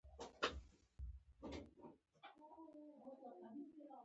د افغانستان د اقتصادي پرمختګ لپاره پکار ده چې ازبکي وویل شي.